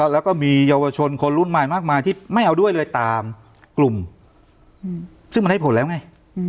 และมียาวชนคนรุ่นไม่เอาด้วยเลยตามกลุ่มซึ่งมันให้ผลแล้วไง